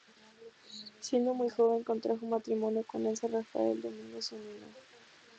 Siendo muy joven contrajo matrimonio con Enzo Rafael Domingo Zunino.